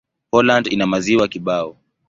Poland ina maziwa kibao.